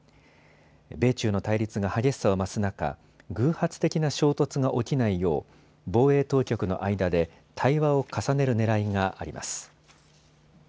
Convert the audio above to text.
米中の対立が激しさを増す中、偶発的な衝突が起きないよう防衛当局の間で対話を重ねるねらいがあります。